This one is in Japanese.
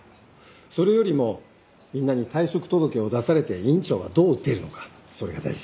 それよりもみんなに退職届を出されて院長がどう出るのかそれが大事。